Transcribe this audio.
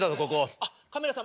あっカメラさん